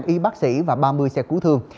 y bác sĩ và ba mươi xe cứu thương